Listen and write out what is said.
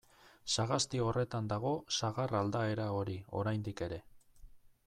Sagasti horretan dago sagar aldaera hori, oraindik ere.